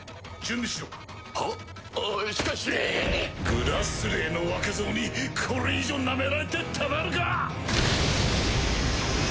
「グラスレー」の若造にこれ以上なめられてたまるか！